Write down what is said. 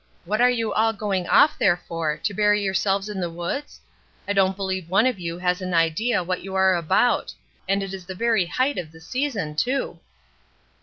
What are you all going off there for, to bury yourselves in the woods? I don't believe one of you has an idea what you are about. And it is the very height of the season, too."